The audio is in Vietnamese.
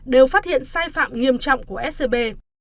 đều phát hiện sai phạm nghiêm trọng của scb